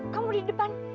kamu di depan